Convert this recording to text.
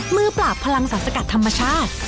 มือปราบพลังสรรสกัดธรรมชาติ